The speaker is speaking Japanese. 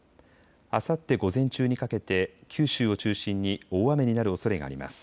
あさって午前中にかけて九州を中心に大雨になるおそれがあります。